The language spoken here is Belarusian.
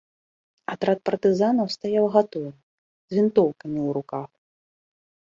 Атрад партызанаў стаяў гатовы, з вінтоўкамі ў руках.